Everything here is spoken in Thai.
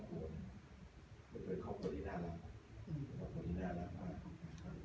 เป็นครอบครัวที่น่ารักเป็นครอบครัวที่น่ารักมาก